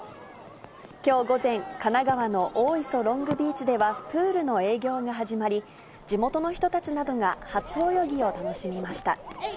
きょう午前、神奈川の大磯ロングビーチでは、プールの営業が始まり、地元の人たちなどが初泳ぎを楽しみました。